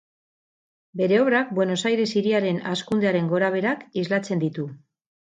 Bere obrak Buenos Aires hiriaren hazkundearen gorabeherak islatzen ditu.